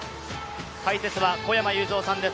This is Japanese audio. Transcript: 解説は小山裕三さんです。